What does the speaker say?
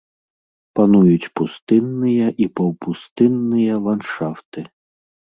Пануюць пустынныя і паўпустынныя ландшафты.